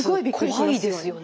怖いですよね。